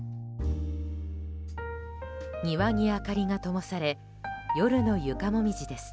庭に明かりがともされ夜の床モミジです。